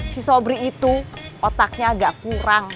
si sobri itu otaknya agak kurang